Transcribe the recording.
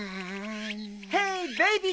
・ヘイベイビーたち。